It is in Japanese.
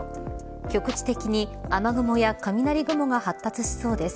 局地的に雨雲や雷雲が発達しそうです。